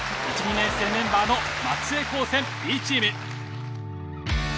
年生メンバーの松江高専Ｂチーム。